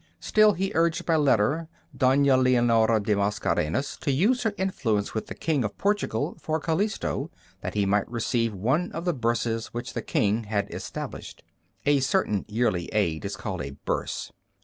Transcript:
Still he urged by letter Donna Leonora de Mascarenas to use her influence with the King of Portugal for Calisto, that he might receive one of the burses which the King had established. A certain yearly aid is called a burse.